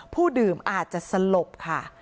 ผู้ดื่มอาจจะสลบค่ะ